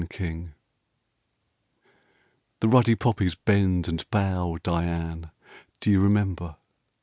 TO DIANE The ruddy poppies bend and bow Diane! do you remember?